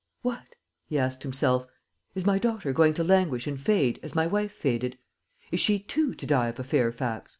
"What?" he asked himself. "Is my daughter going to languish and fade, as my wife faded? Is she too to die of a Fairfax?"